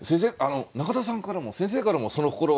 中田さんからも先生からも「その心は」